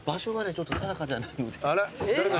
ちょっと定かじゃないんで。